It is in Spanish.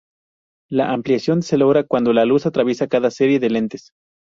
La ampliación se logra cuando la luz atraviesa cada serie de lentes.